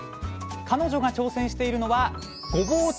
彼女が挑戦しているのはさあ